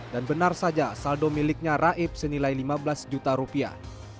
dan benar saja saldo miliknya raib senilai lima belas juta rupiah